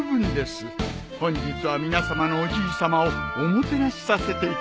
本日は皆さまのおじいさまをおもてなしさせていただきます。